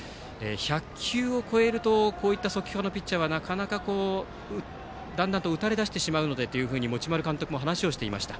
１００球を超えるとこういった速球派のピッチャーはなかなか、だんだんと打たれ出してしまうのでと持丸監督も話していました。